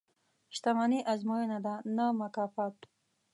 • شتمني ازموینه ده، نه مکافات.